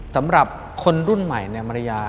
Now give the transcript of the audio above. สำหรับคนรุ่นใหม่ในมารยา